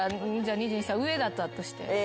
２２歳上だったとして。